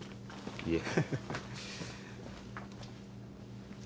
いえ。